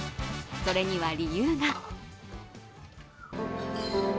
それには理由が。